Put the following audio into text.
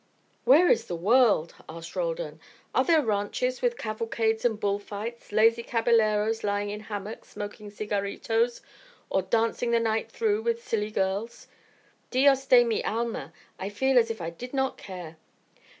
"Where is the world?" asked Roldan. "Are there ranches, with cavalcades and bull fights, lazy caballeros lying in hammocks smoking cigarritos, or dancing the night through with silly girls? Dios de mi alma! I feel as if I did not care."